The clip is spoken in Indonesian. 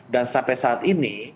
dan sampai saat ini